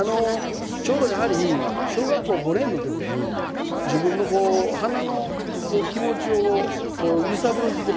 ちょうどやはり小学校５年のときに自分のこう花の気持ちを揺さぶることが。